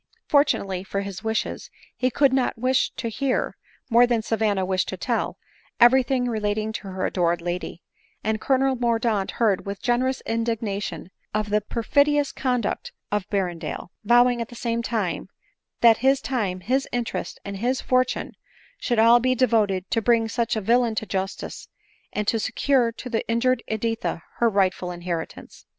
Fortunately for his wishes, he could not wish to hear, more than Savanna wished to tell, every thing relating to her adored lady ; and Colonel Mordaunt heard with generous indignation of the perfidious conduct of Berrendale ; vowing, at the same time, that his time, his interest, and his fortune, should all be devoted to bring such a villain to justice, and to secure to the injured Editha her rightful inheritance.